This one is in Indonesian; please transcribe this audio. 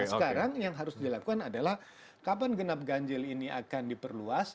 sekarang yang harus dilakukan adalah kapan genap ganjil ini akan diperluas